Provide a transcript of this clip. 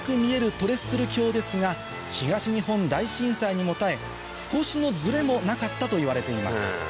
トレッスル橋ですが東日本大震災にも耐え少しのズレもなかったといわれています